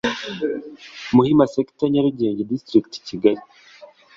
muhima sector nyarugenge district kigali